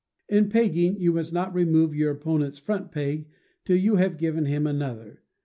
[In pegging you must not remove your opponent's front peg till you have given him another.